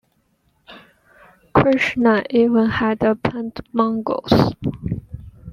Krishnan even had a pet mongoose.